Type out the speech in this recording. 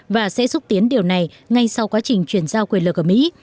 và sẽ xúc tiến điều này ngay sau quá trình chuyển giao quyền lực ở mỹ